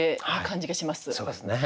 そうですね。